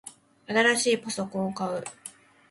新しいパソコンを買う